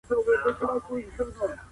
د نری رنځ درملنه وړیا ده.